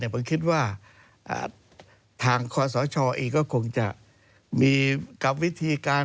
ผมคิดว่าทางคอสชเองก็คงจะมีกับวิธีการ